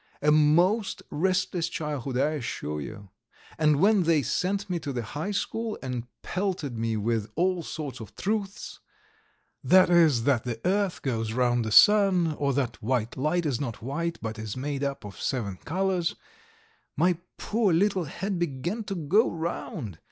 A most restless childhood, I assure you! And when they sent me to the high school and pelted me with all sorts of truths that is, that the earth goes round the sun, or that white light is not white, but is made up of seven colours my poor little head began to go round!